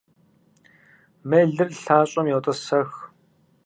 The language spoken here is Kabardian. Мелыр лъащӀэм йотӀысэх.